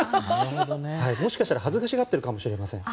もしかしたら恥ずかしがってるかもしれないですよ。